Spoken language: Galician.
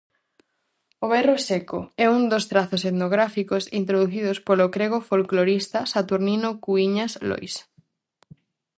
O "berro seco" é un dos trazos etnográficos introducidos polo crego folclorista Saturnino Cuíñas Lois.